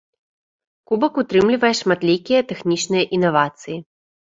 Кубак утрымлівае шматлікія тэхнічныя інавацыі.